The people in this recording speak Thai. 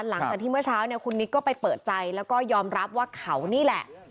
หลังจากที่เมื่อเช้าเนี่ยคุณนิกก็ไปเปิดใจแล้วก็ยอมรับว่าเขานี่แหละ